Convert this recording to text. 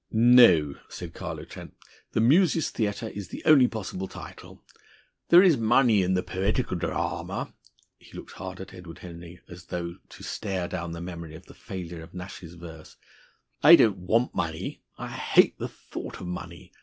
"No," said Carlo Trent, "'The Muses' Theatre' is the only possible title. There is money in the poetical drama." He looked hard at Edward Henry, as though to stare down the memory of the failure of Nashe's verse. "I don't want money. I hate the thought of money.